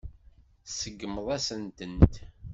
Tseggmeḍ-asent-tent.